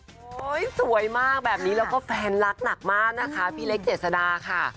สวยมากแบบนี้แล้วก็แฟนรักหนักมากนะคะพี่เล็กเจษดาค่ะ